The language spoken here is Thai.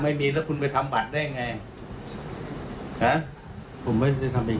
ไม่มีแล้วคุณไปทำบัตรได้ไงนะผมไม่ได้ทำเอง